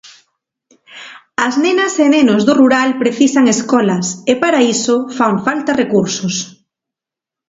As nenas e nenos do rural precisan escolas, e para iso fan falta recursos.